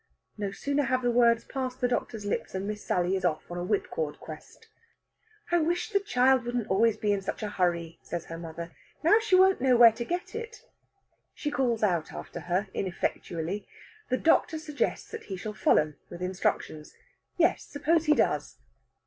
No sooner have the words passed the doctor's lips than Miss Sally is off on a whipcord quest. "I wish the child wouldn't always be in such a hurry," says her mother. "Now she won't know where to get it." She calls after her ineffectually. The doctor suggests that he shall follow with instructions. Yes, suppose he does?